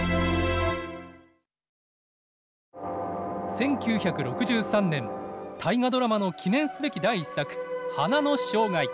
１９６３年「大河ドラマ」の記念すべき第１作「花の生涯」。